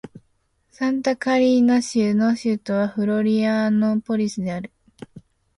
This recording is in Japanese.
サンタカタリーナ州の州都はフロリアノーポリスである